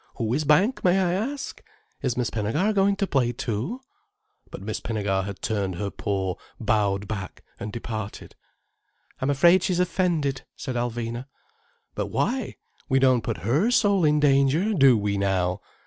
Who is bank, may I ask? Is Miss Pinnegar going to play too?" But Miss Pinnegar had turned her poor, bowed back, and departed. "I'm afraid she's offended," said Alvina. "But why? We don't put her soul in danger, do we now?